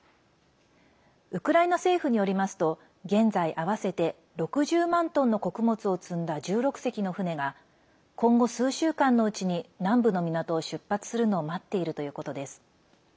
ウクライナ政府によりますと現在、合わせて６０万トンの穀物を積んだ１６隻の船が今後、数週間のうちに南部の港を出発するのを待っているということです。